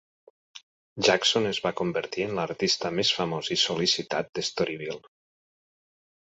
Jackson es va convertir en l'artista més famós i sol·licitat de Storyville.